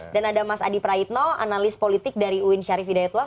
dan ada mas adi praitno analis politik dari uin syarif hidayatullah